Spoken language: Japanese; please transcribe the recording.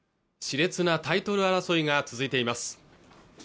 熾烈なタイトル争いが続いています